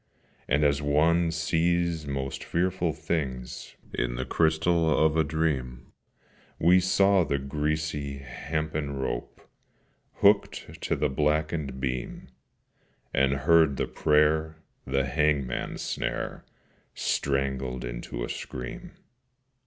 And as one sees most fearful things In the crystal of a dream, We saw the greasy hempen rope Hooked to the blackened beam, And heard the prayer the hangman's snare Strangled into a scream.